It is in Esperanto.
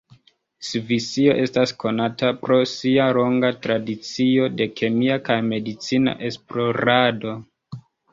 Svisio estas konata pro sia longa tradicio de kemia kaj medicina esplorado.